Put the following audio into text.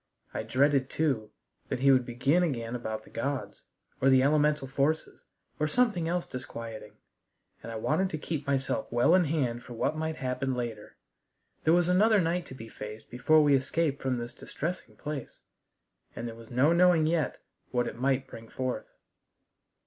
I dreaded, too, that he would begin again about the gods, or the elemental forces, or something else disquieting, and I wanted to keep myself well in hand for what might happen later. There was another night to be faced before we escaped from this distressing place, and there was no knowing yet what it might bring forth.